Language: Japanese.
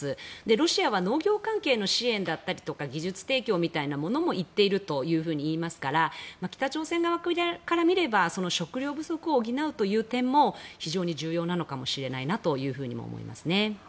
ロシアは農業関係の支援だったり技術提供みたいなことも言っているというふうにいいますから北朝鮮側から見れば食糧不足を補うという点も非常に重要なのかもしれないと思います。